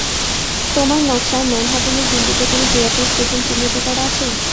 তোমার নকশায়, ম্যানহাটনের বিন্দুতে কোন পুরানো স্টেশন চিহ্নিত করা আছে?